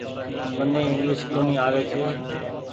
مني انگليش ڪونيٚ آوي ڇي۔